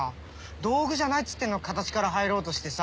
道具じゃないっつってんのに形から入ろうとしてさ。